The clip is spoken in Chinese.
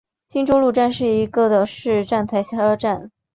金周路站是一个岛式站台车站。